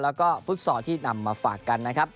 แล้วก็ฟุตซอลที่นำมาฝากกันนะครับ